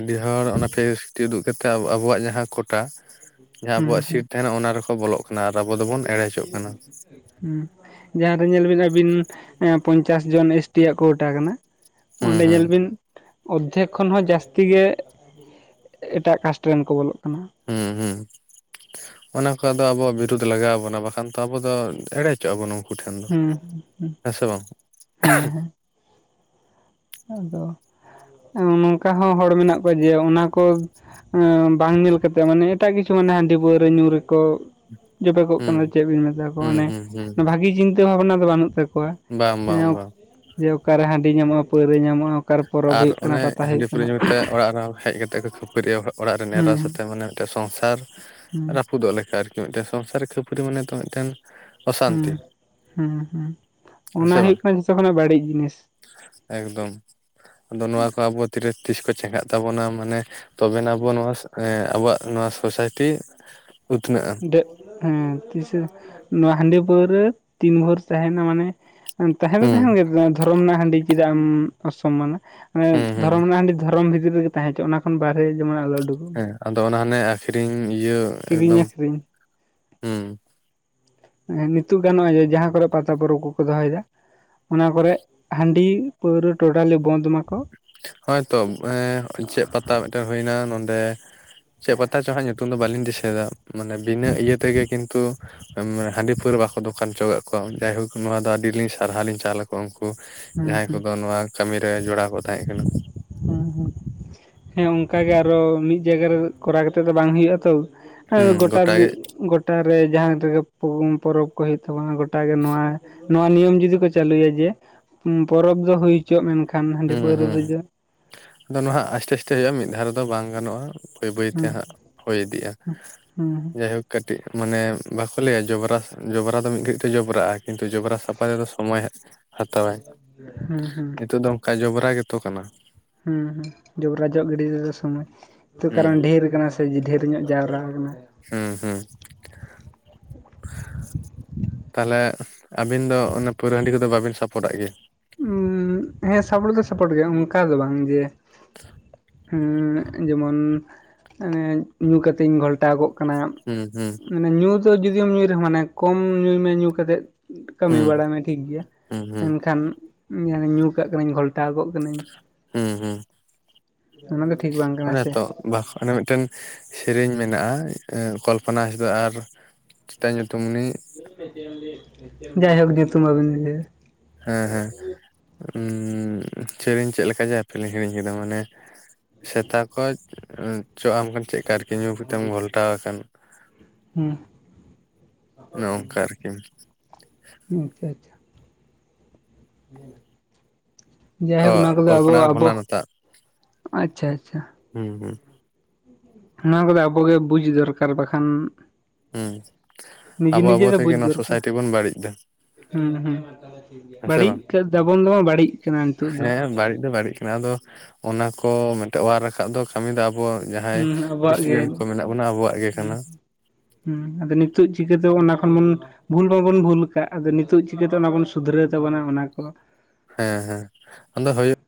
ᱟᱹᱰᱤ ᱦᱚᱲ ᱚᱱᱟ ᱯᱷᱮᱠᱮᱥᱴᱤ ᱩᱫᱩᱜ ᱪᱮᱫᱠᱟ ᱟᱵᱩᱣᱟᱜ ᱡᱟᱦᱟᱸ ᱠᱳᱴᱟ ᱡᱟᱦᱟᱸ ᱦᱩᱸ ᱟᱵᱩᱣᱟᱜ ᱦᱩᱸ ᱥᱤᱴ ᱛᱟᱦᱮᱸᱱᱟ ᱚᱱᱟ ᱨᱮᱠᱚ ᱵᱚᱞᱚᱜ ᱠᱟᱱᱟ ᱟᱨ ᱟᱵᱚ ᱫᱚᱵᱚᱱ ᱮᱲᱮ ᱚᱪᱚᱜ ᱠᱟᱱᱟ᱾ ᱦᱩᱸᱻ᱾ ᱡᱟᱦᱟᱸᱨᱮ ᱧᱮᱞ ᱵᱤᱱ ᱟᱵᱤᱱ ᱯᱚᱧᱪᱟᱥ ᱡᱚᱱ ᱮᱥᱴᱤᱭᱟᱜ ᱠᱳᱴᱟ ᱠᱟᱱᱟ, ᱦᱩᱸ ᱚᱸᱰᱮ ᱦᱩᱸ ᱧᱮᱞ ᱵᱤᱱ ᱚᱨᱫᱷᱮᱠ ᱠᱷᱚᱱ ᱦᱚᱸ ᱡᱟᱹᱥᱛᱤ ᱜᱮ, ᱮᱴᱟᱜ ᱠᱟᱥᱴ ᱨᱮᱱ ᱠᱚ ᱵᱚᱞᱚᱜ ᱠᱟᱱᱟ᱾ ᱦᱮᱸᱻ ᱦᱩᱸ ᱚᱱᱟ ᱠᱚ ᱟᱫᱚ ᱟᱵᱚ ᱵᱤᱨᱩᱫᱽ ᱞᱟᱜᱟᱣ ᱵᱚᱱᱟ ᱵᱟᱠᱷᱟᱱ ᱛᱚ ᱟᱵᱚ ᱫᱚ ᱮᱲᱮ ᱦᱚᱪᱚᱜ ᱟᱵᱚᱱ ᱩᱝᱠᱩ ᱴᱷᱮᱱ ᱾ ᱦᱩᱸᱻ ᱦᱸᱻ ᱦᱮᱸᱻ ᱦᱮᱸᱻ ᱦᱮᱸᱻ᱾ ᱟᱫᱚ ᱱᱚᱝᱠᱟ ᱦᱚᱸ ᱦᱚᱲ ᱢᱮᱱᱟᱜ ᱠᱚᱣᱟ ᱡᱮ ᱚᱱᱟ ᱠᱚ ᱮᱸ ᱵᱟᱝ ᱧᱮᱞ ᱠᱟᱛᱮᱜ, ᱢᱟᱱᱮ ᱮᱴᱟᱜ ᱠᱤᱪᱷᱩ ᱢᱟᱱᱮ ᱦᱟᱺᱰᱤ ᱯᱟᱹᱣᱨᱟᱹ ᱧᱩ ᱨᱮᱠᱚ ᱡᱚᱵᱮ ᱠᱚᱜ ᱦᱩᱸ ᱠᱟᱱᱟ ᱪᱮᱫ ᱵᱤᱱ ᱢᱮᱛᱟ ᱠᱚᱣᱟ᱾ ᱦᱩᱸ ᱢᱟᱱᱮ ᱦᱩᱸ ᱦᱩᱸ ᱵᱷᱟᱹᱜᱤ ᱪᱤᱱᱛᱟᱹ ᱵᱷᱟᱵᱱᱟ ᱫᱚ ᱵᱟᱹᱱᱩᱜ ᱛᱟᱠᱚᱣᱟ᱾ ᱵᱟᱝ ᱵᱟᱝ ᱮᱸᱜ ᱵᱟᱝ ᱚᱠᱟᱨᱮ ᱦᱟᱺᱰᱤ ᱧᱟᱢᱚᱜ-ᱟ, ᱯᱟᱹᱣᱨᱟᱹ ᱧᱟᱢᱚᱜ-ᱟ᱾ ᱟᱨ ᱚᱱᱮ ᱦᱟᱺᱰᱤ ᱯᱟᱹᱣᱨᱟᱹ ᱧᱩᱠᱟᱛᱮ, ᱚᱲᱟᱜ ᱨᱮᱦᱚ ᱦᱮᱡ ᱠᱟᱛᱮ ᱠᱚ ᱠᱷᱟᱹᱯ ᱠᱷᱟᱹᱯᱟᱹᱨᱤᱭᱟ ᱚᱲᱟᱜ ᱨᱮ ᱮᱨᱟ ᱦᱩᱸ ᱥᱟᱛᱮᱜ ᱢᱟᱱᱮ ᱢᱤᱫᱴᱮᱜ ᱥᱚᱝᱥᱟᱨ ᱦᱩᱸ ᱨᱟᱹᱯᱩᱫᱚᱜ ᱞᱮᱠᱟ᱾ ᱟᱨᱠᱤ ᱢᱤᱫᱴᱮᱱ ᱥᱚᱝᱥᱟᱨ ᱨᱮ ᱠᱷᱟᱹᱯᱟᱹᱨᱤ ᱢᱟᱱᱮ ᱛᱚ ᱢᱤᱫᱴᱮᱱ ᱦᱩᱸᱻ ᱚᱥᱟᱱᱛᱤ ᱦᱩᱸᱻ ᱦᱩᱸᱻ᱾ ᱦᱮᱸ ᱥᱮ ᱚᱱᱟ ᱵᱟᱝ ᱦᱩᱭᱩᱜ ᱠᱟᱱᱟ ᱡᱚᱛᱚ ᱠᱷᱚᱱᱟᱜ ᱵᱟᱹᱲᱤᱡ ᱡᱤᱱᱤᱥ᱾ ᱮᱠᱫᱚᱢ ᱟᱫᱚ ᱱᱚᱣᱟ ᱠᱚ ᱟᱵᱚ ᱛᱤᱨᱮ ᱛᱤᱥ ᱠᱚ ᱪᱮᱸᱜᱷᱟᱜ ᱛᱟᱵᱚᱱᱟ, ᱢᱟᱱᱮ ᱛᱚᱵᱮᱱᱟᱜ ᱟᱵᱚ ᱱᱚᱣᱟ ᱮᱸ ᱟᱵᱚᱣᱟᱜ ᱱᱚᱣᱟ ᱥᱳᱥᱟᱭᱴᱤ ᱩᱛᱷᱱᱟᱹᱜ-ᱟ᱾ ᱦᱮᱸ ᱛᱤᱥ ᱱᱚᱣᱟ ᱦᱟᱺᱰᱤ ᱯᱟᱹᱣᱨᱟᱹ ᱛᱤᱱ ᱵᱷᱳᱨ ᱛᱟᱦᱮᱱᱟ ᱢᱟᱱᱮ ᱛᱟᱦᱮᱸ ᱫᱚ ᱛᱟᱦᱮᱱ ᱦᱩᱸ ᱜᱮ ᱫᱷᱚᱨᱚᱢ ᱨᱮᱱᱟᱜ ᱦᱟᱺᱰᱤ ᱪᱮᱫᱟᱜ ᱮᱢ ᱚᱥᱚᱢᱢᱟᱱᱟ᱾ ᱢᱟᱱᱮ ᱦᱩᱸ ᱦᱩᱸ ᱫᱷᱚᱨᱚᱢ ᱨᱮᱱᱟᱜ ᱦᱟᱺᱰᱤ ᱫᱷᱚᱨᱚᱢ ᱵᱷᱤᱛᱤᱨ ᱨᱮᱜᱮ ᱛᱟᱦᱮᱸ ᱦᱚᱪᱚ ᱚᱱᱟ ᱠᱷᱚᱱ ᱵᱟᱨᱦᱮ ᱡᱮᱢᱚᱱ ᱟᱞᱚ ᱩᱰ ᱦᱮᱸ ᱟᱫᱚ ᱚᱱᱟ ᱦᱟᱱᱮ ᱟᱹᱠᱷᱨᱤᱧ ᱤᱭᱟᱹ ᱮᱠᱫᱚᱢ ᱨᱤᱧ ᱦᱩᱸᱻ᱾ ᱱᱤᱛᱚᱜ ᱜᱮ ᱱᱚᱜᱼᱚᱭ ᱡᱮ ᱡᱟᱦᱟ ᱠᱚᱨᱮ ᱯᱟᱛᱟ ᱯᱚᱨᱚᱵᱽ ᱠᱚᱠᱚ ᱫᱚᱦᱚᱭ ᱫᱟ ᱚᱱᱟ ᱠᱚᱨᱮ ᱦᱟᱺᱰᱤ ᱯᱟᱹᱶᱨᱟᱹ ᱴᱳᱴᱟᱞᱤ ᱵᱚᱱᱫ ᱢᱟᱠᱚ᱾ ᱦᱚᱜᱚᱭᱛᱚ ᱮ ᱪᱮᱫ ᱯᱟᱛᱟ ᱢᱤᱜᱴᱮᱱ ᱦᱩᱭᱱᱟ ᱱᱚᱰᱮ ᱪᱮᱜ ᱯᱟᱛᱟ ᱪᱚ ᱦᱟᱸᱜ ᱧᱩᱛᱩᱢ ᱫᱚ ᱵᱟᱹᱞᱤᱧ ᱫᱤᱥᱟᱹᱭᱫᱟ᱾ ᱢᱟᱱᱮ ᱵᱤᱱᱟᱹ ᱤᱭᱟᱹ ᱛᱮᱜᱮ ᱠᱤᱱᱛᱩ ᱟ ᱦᱟᱺᱰᱤ ᱯᱟᱹᱣᱨᱟᱹ ᱵᱟᱠᱚ ᱫᱚᱠᱟᱱ ᱦᱚᱪᱚ ᱠᱟᱜ ᱠᱚᱣᱟ ᱡᱟᱭᱦᱳᱠ ᱱᱚᱣᱟ ᱫᱚ ᱟᱹᱰᱤᱞᱤᱧ ᱥᱟᱨᱦᱟᱣᱤᱧ ᱪᱟᱞ ᱟᱠᱚ ᱩᱱᱠᱩ ᱦᱩᱸ ᱡᱟᱦᱟᱭ ᱦᱩᱸ ᱠᱚᱫᱚ ᱱᱚᱣᱟ ᱠᱟᱹᱢᱤᱨᱮ ᱡᱚᱲᱟᱣ ᱠᱚ ᱛᱟᱦᱮ ᱠᱟᱱᱟ ᱦᱮᱸᱻ ᱦᱮᱸᱻ᱾ ᱦᱮᱸ ᱚᱱᱠᱟ ᱜᱮ ᱟᱨᱚ ᱢᱤᱫ ᱡᱟᱭᱜᱟ ᱨᱮ, ᱠᱚᱨᱟᱣ ᱠᱟᱛᱮ ᱫᱚ ᱵᱟᱝ ᱦᱩᱭᱩᱜ-ᱟ ᱛᱚ᱾ ᱟᱨ ᱦᱩᱸ ᱜᱚᱴᱟ ᱜᱤ ᱜᱮ ᱜᱚᱴᱟᱨᱮ ᱡᱟᱦᱟᱸ ᱨᱮᱜᱮ, ᱯᱚᱨᱚᱵᱽ ᱠᱚ ᱦᱩᱭᱩᱜ ᱛᱟᱵᱚᱱᱟ ᱜᱚᱴᱟ ᱜᱮ ᱱᱚᱣᱟ ᱱᱚᱣᱟ ᱱᱤᱭᱚᱢ ᱡᱩᱫᱤ ᱠᱚ ᱪᱟᱹᱞᱩᱭᱟ ᱡᱮ, ᱯᱚᱨᱚᱵᱽ ᱫᱚ ᱦᱩᱭ ᱦᱚᱪᱚᱢᱮ, ᱢᱮᱱᱠᱷᱟᱱ ᱦᱟᱺᱰᱤ ᱦᱩᱸ ᱯᱟᱹᱣᱨᱟᱹ ᱦᱩᱸ ᱨᱮᱫᱚ ᱟᱫᱚ ᱱᱚᱣᱟ ᱦᱟᱸᱜ ᱟᱥᱛᱮ ᱟᱥᱛᱮ ᱦᱩᱭᱩᱜ-ᱟ, ᱢᱤᱫ ᱫᱷᱟᱣ ᱨᱮ ᱫᱚ ᱵᱟᱝ ᱜᱟᱱᱚᱜ-ᱟ᱾ ᱵᱟᱹᱭ ᱵᱟᱹᱭ ᱦᱩᱸ ᱛᱮ ᱦᱟᱸᱜ ᱦᱚᱭ ᱤᱫᱤᱜ-ᱟ᱾ ᱦᱩᱸ ᱡᱟᱭᱦᱳᱠ ᱠᱟᱹᱴᱤᱡ ᱢᱟᱱᱮ ᱵᱟᱠᱚ ᱞᱟᱹᱭᱟ ᱡᱚᱵᱨᱟ ᱡᱚᱵᱨᱟ ᱫᱚ ᱢᱤᱫ ᱜᱷᱟᱹᱲᱤᱡ ᱛᱮ ᱡᱚᱵᱨᱟᱜ-ᱟ᱾ ᱠᱤᱱᱛᱩ ᱡᱚᱵᱨᱟ ᱥᱟᱯᱷᱟ ᱛᱮᱫᱚ ᱥᱚᱢᱚᱭ ᱦᱟᱸᱜ ᱦᱟᱛᱟᱣᱟᱭ ᱦᱩᱸ ᱦᱩᱸ ᱱᱤᱛᱚᱜ ᱫᱚ ᱚᱱᱠᱟ ᱡᱚᱵᱽᱨᱟ ᱜᱮᱛᱚ ᱠᱟᱱᱟ ᱦᱩᱸ ᱦᱩᱸ ᱡᱚᱵᱽᱨᱟᱡᱚᱜ ᱜᱤᱰᱤ ᱛᱮᱫᱚ ᱥᱚᱢᱚᱭ ᱦᱩᱸ ᱠᱟᱨᱚᱱ ᱰᱷᱮᱨ ᱠᱟᱱᱟ ᱫᱮ ᱰᱷᱮᱨᱧᱚᱜ ᱡᱟᱣᱨᱟ ᱠᱟᱱᱟ ᱦᱮᱸ ᱦᱮᱸ ᱛᱟᱦᱚᱞᱮ ᱟᱵᱤᱱ ᱫᱚ ᱚᱱᱮ ᱯᱟᱹᱣᱨᱟᱹ ᱦᱟᱺᱰᱤ ᱠᱚᱫᱚ ᱵᱟᱵᱤᱱ ᱥᱟᱯᱚᱨᱴᱟᱜ ᱜᱮᱭᱟ ᱩᱻ ᱦᱮ ᱥᱟᱯᱚᱴ ᱫᱚ ᱥᱟᱯᱚᱴ ᱜᱮ ᱚᱱᱠᱟ ᱫᱚ ᱵᱟᱝ ᱡᱮ ᱩ ᱡᱮᱢᱚᱱ ᱧᱩ ᱠᱟᱛᱮᱧ ᱜᱷᱚᱞᱴᱟᱣ ᱠᱚᱜ ᱠᱟᱱᱟ ᱦᱩᱸ ᱦᱩᱸ ᱢᱟᱱᱮ ᱧᱩ ᱫᱚ ᱡᱩᱫᱤᱢ ᱧᱩᱭ ᱨᱮᱦᱚ ᱢᱟᱱᱮ ᱠᱚᱢ ᱧᱩᱭ ᱢᱮ ᱧᱩ ᱠᱟᱛᱮᱫ ᱠᱟᱹᱢᱤ ᱦᱩᱸ ᱵᱟᱲᱟᱭ ᱢᱮ ᱴᱷᱤᱠᱜᱮᱭᱟ ᱦᱩᱸ ᱦᱩᱸ ᱢᱮᱱᱠᱷᱟᱱ ᱧᱩ ᱠᱟᱜ ᱠᱟᱹᱱᱟᱹᱧ ᱜᱷᱚᱞ ᱛᱟᱣᱟᱜᱚᱜ ᱠᱟᱹᱱᱟᱹᱧ ᱦᱩᱸ ᱦᱩᱸ ᱚᱱᱟ ᱫᱚ ᱴᱷᱤᱠ ᱵᱟᱝ ᱠᱟᱱᱟ ᱚᱱᱮ ᱥᱮ ᱛᱚ ᱵᱟ ᱚᱱᱮ ᱢᱤᱫᱴᱮᱱ ᱥᱮᱨᱮᱧ ᱢᱮᱱᱟᱜ-ᱟ ᱠᱚᱞᱯᱚᱱᱟ ᱦᱟᱸᱥᱫᱟ ᱟᱨ ᱪᱮᱫ ᱛᱟᱭ ᱧᱩᱛᱩᱢ ᱩᱱᱤ ᱡᱟᱭᱦᱳᱠ ᱧᱩᱛᱩᱢ ᱟᱞᱚ ᱵᱤᱱ ᱞᱟᱹᱭᱟ ᱦᱮ ᱦᱮ ᱥᱮᱨᱮᱧ ᱪᱮᱫ ᱞᱮᱠᱟ ᱡᱮ ᱦᱟᱯᱮ ᱞᱤᱧ ᱦᱤᱲᱤᱧ ᱠᱮᱫᱟ ᱢᱟᱱᱮ ᱥᱮᱛᱟ ᱠᱚ ᱪᱚᱜ ᱟᱢ ᱪᱮᱫ ᱠᱟ ᱟᱨᱠᱤ ᱧᱩ ᱠᱟᱛᱮᱢ ᱜᱷᱚᱞᱴᱟᱣ ᱟᱠᱟᱱ ᱦᱮᱸ ᱚᱱᱮ ᱚᱝᱠᱟ ᱟᱨᱠᱤ ᱟᱪᱪᱷᱟ ᱟᱪᱪᱷᱟ ᱚ ᱡᱟᱭᱦᱳᱠ ᱱᱚᱮᱟ ᱠᱚᱫᱚ ᱟᱵᱚ ᱠᱚᱞᱯᱚᱱᱟ ᱟᱨ ᱟᱵᱚ ᱟᱪᱪᱷᱟ ᱟᱪᱪᱷᱟ ᱦᱩ ᱦᱩ ᱱᱚᱣᱟ ᱠᱚᱫᱚ ᱟᱵᱚᱜᱮ ᱵᱩᱡᱽ ᱫᱚᱨᱠᱟᱨ ᱵᱟᱠᱷᱟᱱ ᱦᱩ ᱱᱤᱡᱮ ᱟᱵᱚ ᱟᱵᱚ ᱛᱮᱜᱮ ᱱᱚᱣᱟ ᱥᱳᱥᱟᱭᱴᱤ ᱵᱚᱱ ᱵᱟᱹᱲᱤᱡ ᱫᱟ ᱦᱩ ᱦᱩ ᱵᱟᱹᱲᱤᱡ ᱵᱟᱝ ᱫᱟᱵᱚᱱ ᱫᱚ ᱵᱟᱝ ᱵᱟᱹᱲᱤᱡ ᱠᱟᱱᱟ ᱱᱤᱛᱚᱜ ᱫᱚ ᱱᱤᱛ ᱫᱚ ᱵᱟᱹᱲᱤᱡ ᱠᱟᱱᱟ ᱟᱫᱚ ᱚᱱᱟ ᱠᱚ ᱢᱤᱫᱴᱮᱡ ᱚᱣᱟᱨ ᱨᱟᱠᱟᱵ ᱫᱚ ᱠᱟᱹᱢᱤ ᱫᱚ ᱟᱵᱚ ᱟᱵᱚᱣᱟᱜ ᱡᱟᱦᱟᱭ ᱦᱩᱸ ᱟᱵᱚᱣᱟᱜ ᱜᱮ ᱥᱴᱩᱰᱮᱱᱴ ᱠᱚ ᱢᱮᱱᱟᱜ ᱵᱚᱱᱟ ᱟᱵᱚᱣᱟᱜ ᱜᱮ ᱠᱟᱱᱟ ᱦᱩ ᱟᱫᱚ ᱱᱤᱛᱚᱜ ᱪᱤᱠᱟᱹᱛᱮ ᱚᱱᱟ ᱠᱷᱚᱱ ᱵᱚᱱ ᱵᱷᱩᱞ ᱵᱟᱵᱚᱱ ᱵᱷᱩᱞ ᱟᱠᱟᱫ ᱟᱫᱚ ᱱᱤᱛᱚᱜ ᱪᱤᱠᱟᱹᱛᱮ ᱚᱱᱟ ᱵᱚᱱ ᱥᱩᱫᱷᱨᱟᱹᱣ ᱛᱟᱵᱚᱱᱟ ᱚᱱᱟ ᱠᱚ ᱦᱮ ᱦᱮ ᱟᱫᱚ ᱦᱩᱭᱩᱜ